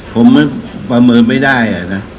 ผมประเมินไม่ได้นะ